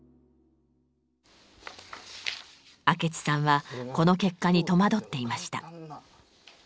明智さんはこの結果に戸惑っていました。